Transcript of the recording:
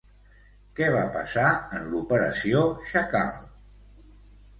Què va passar en l'operació Chacal?